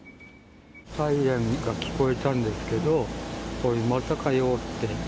サイレンが聞こえたんですけれども、おい、またかよーって。